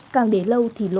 càng để lâu thì lỗ